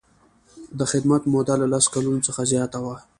د خدمت موده له لس کلونو څخه زیاته وي.